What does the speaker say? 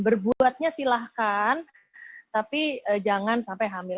berbuatnya silahkan tapi jangan sampai hamil